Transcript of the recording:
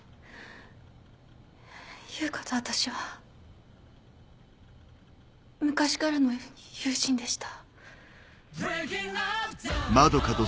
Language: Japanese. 悠香と私は昔からの友人でした。